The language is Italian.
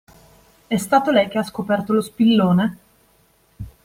È stato lei che ha scoperto lo spillone?